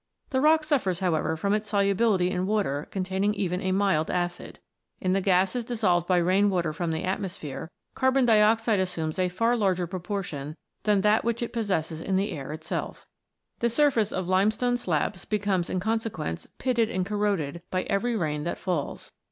The rock suffers, however, from its solubility in water containing even a mild acid. In the gases dissolved by rain water from the atmosphere, carbon dioxide assumes a far larger proportion than that which it possesses in the air itself. The surface of limestone slabs becomes in consequence pitted and corroded by every rain that falls.